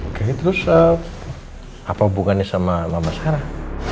oke terus apa hubungannya sama mama sarah